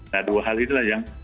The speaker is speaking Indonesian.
nah dua hal inilah yang